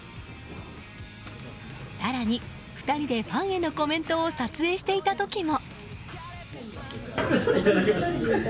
更に２人でファンへのコメントを撮影していた時も。